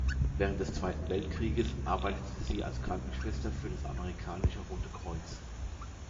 Während des Zweiten Weltkrieges arbeitete sie als Krankenschwester für das Amerikanische Rote Kreuz.